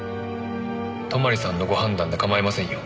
泊さんのご判断で構いませんよ。